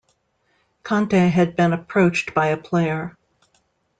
Conte had been approached by a player.